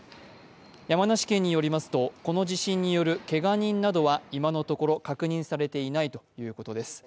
山梨県によりますとこの地震によるけが人などは今のところ確認されていないということです。